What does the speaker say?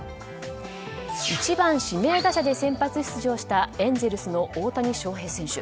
１番指名打者で先発出場したエンゼルスの大谷翔平選手。